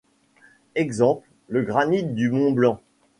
Exemple: Le granite du Mont Blanc.